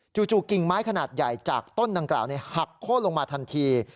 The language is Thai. กิ่งไม้ขนาดใหญ่จากต้นดังกล่าวหักโค้นลงมาทันที